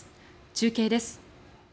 中継です。